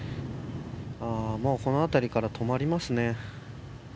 もうこの辺りから止まりますね。